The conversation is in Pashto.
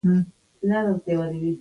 د نثر لیکلو هنر